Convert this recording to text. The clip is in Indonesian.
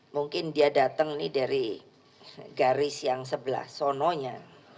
mungkin dia datang ini dari garis yang sebelah sononya